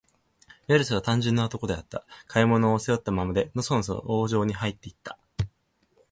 メロスは、単純な男であった。買い物を、背負ったままで、のそのそ王城にはいって行った。